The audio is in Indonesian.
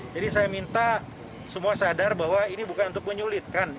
jadi saya minta semua sadar bahwa ini bukan untuk menyulitkan